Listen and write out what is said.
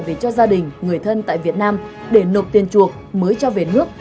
về cho gia đình người thân tại việt nam để nộp tiền chuộc mới cho về nước